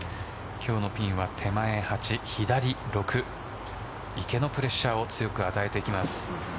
今日のピンは手前８、左６池のプレッシャーを強く与えてきます。